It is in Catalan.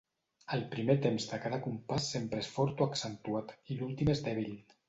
El primer temps de cada compàs sempre és fort o accentuat, i l'últim és dèbil.